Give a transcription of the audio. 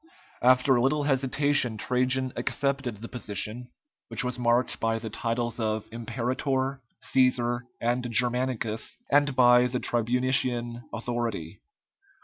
After a little hesitation Trajan accepted the position, which was marked by the titles of Imperator, Cæsar, and Germanicus, and by the tribunician authority.